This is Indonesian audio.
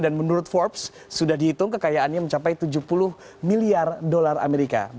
dan menurut forbes sudah dihitung kekayaannya mencapai tujuh puluh miliar dolar amerika